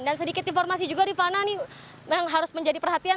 dan sedikit informasi juga rifana ini memang harus menjadi perhatian